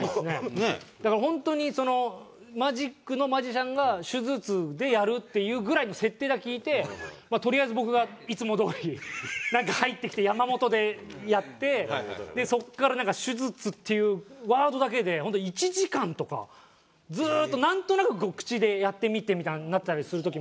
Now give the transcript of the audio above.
だから本当にマジックのマジシャンが手術でやるっていうぐらいの設定だけ聞いてとりあえず僕がいつもどおりなんか入ってきて山本でやってそこからなんか「手術」っていうワードだけで本当１時間とかずーっとなんとなく口でやってみてみたいなのになったりする時もあって。